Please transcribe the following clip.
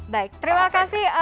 baik terima kasih